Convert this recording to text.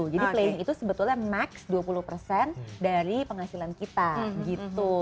jadi playing itu sebetulnya max dua puluh persen dari penghasilan kita gitu